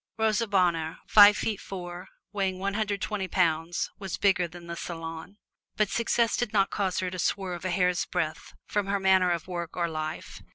Rosa Bonheur, five feet four, weighing one hundred twenty pounds, was bigger than the Salon. But success did not cause her to swerve a hair's breadth from her manner of work or life.